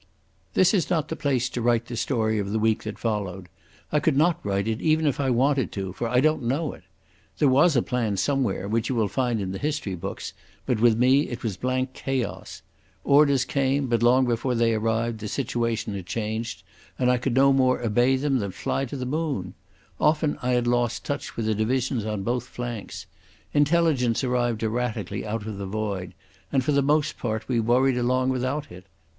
This is not the place to write the story of the week that followed. I could not write it even if I wanted to, for I don't know it. There was a plan somewhere, which you will find in the history books, but with me it was blank chaos. Orders came, but long before they arrived the situation had changed, and I could no more obey them than fly to the moon. Often I had lost touch with the divisions on both flanks. Intelligence arrived erratically out of the void, and for the most part we worried along without it.